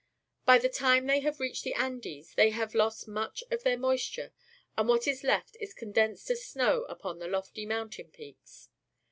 By the time they have reached the Andes, they have lost much of their moisture, and what is left is con densed as snow upon the lofty momitain peaks.